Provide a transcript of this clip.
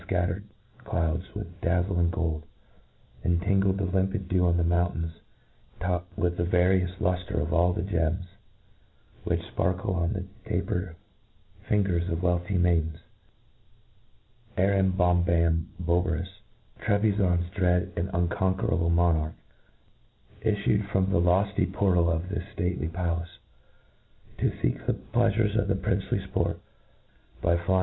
fcattered clouds with dazzling gold, and tinged the limpid dew jpn the mountain's top with the various luftre of all the gems which fparkle on the taper fingers of wealthy mafdens^ , when the might of Arambombamboberus, Tre bizond's dread and unconquerable monarch, if ftied from the lofty port^ of his ftately palace, to feek the pleafures of the princely fport, by fly?